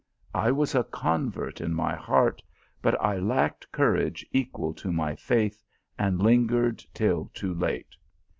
I was a convert in my heart, but I lacked courage equal to my faith, and lingered till too late.